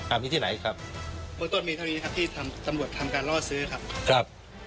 มีที่ไหนครับเบื้องต้นมีเท่านี้ครับที่ทำตำรวจทำการล่อซื้อครับครับ